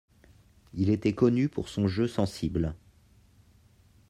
Il était connu pour son jeu sensible.